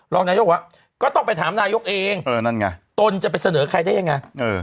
ลองนายกวะก็ต้องไปถามนายกเองเออนั่นไงตนจะไปเสนอใครได้ยังไงเออ